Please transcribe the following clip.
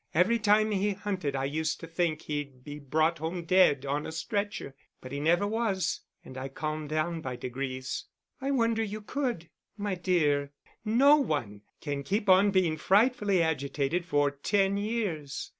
Every time he hunted I used to think he'd be brought home dead on a stretcher. But he never was, and I calmed down by degrees." "I wonder you could." "My dear, no one can keep on being frightfully agitated for ten years.